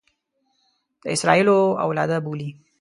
د اسراییلو اولاده بولي.